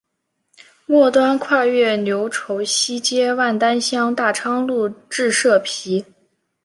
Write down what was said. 末端跨越牛稠溪接万丹乡大昌路至社皮。